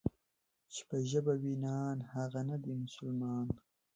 چې په ژبه وای نان، هغه نه دی مسلمان.